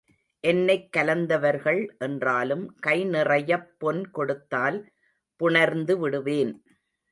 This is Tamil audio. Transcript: என்னைக் கலந்தவர்கள் என்றாலும் கைநிறையப் பொன் கொடுத்தால் புணர்ந்து விடுவேன்.